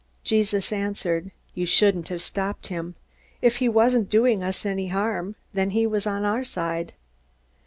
Jesus answered: "You shouldn't have stopped him. If he wasn't doing us any harm, then he was on our side!"